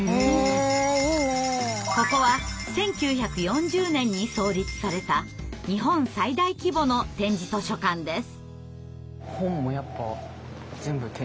ここは１９４０年に創立された日本最大規模の点字図書館です。